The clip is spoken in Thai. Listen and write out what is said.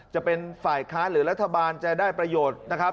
จะเป็นฝ่ายค้าหรือรัฐบาลจะได้ประโยชน์นะครับ